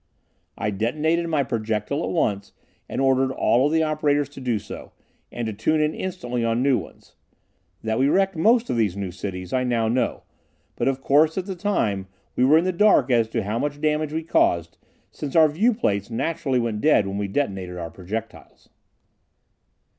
I detonated my projectile at once and ordered all of the operators to do so, and to tune in instantly on new ones. That we wrecked most of these new cities I now know, but of course at the time we were in the dark as to how much damage we caused, since our viewplates naturally went dead when we detonated our projectiles.